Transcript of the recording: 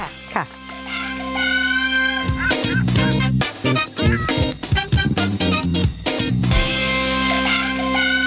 บ๊ายบาย